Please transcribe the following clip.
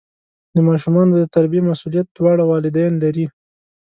د ماشومانو د تربیې مسؤلیت دواړه والدین لري.